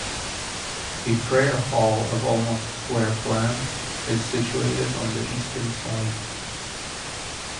A prayer hall of almost square plan is situated on the eastern side.